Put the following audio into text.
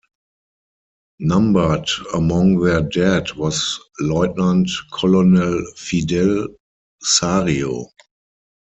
Numbered among their dead was Lieutenant Colonel Fidel Sario.